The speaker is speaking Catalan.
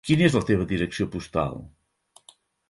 Quina és la teva direcció postal?